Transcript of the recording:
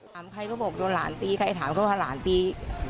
ใครก็บอกโดนหลานตีใครถามก็พาหลานตี